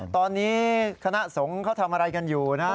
ตอนนี้คณะสงฆ์เขาทำอะไรกันอยู่นะ